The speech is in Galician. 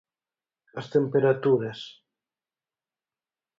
As temperaturas.